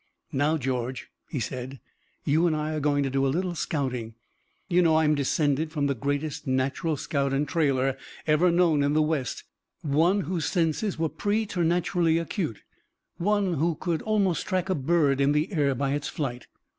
"Now, George," he said, "you and I are going to do a little scouting. You know I'm descended from the greatest natural scout and trailer ever known in the West, one whose senses were preternaturally acute, one who could almost track a bird in the air by its flight."